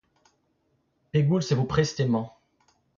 Pegoulz e vo prest hemañ ?